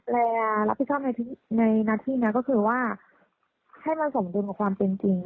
และรับผิดชอบในหน้าที่นะก็คือว่าให้มันสมดุลกับความเป็นจริง